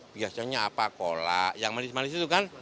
biasanya apa kolak yang manis manis itu kan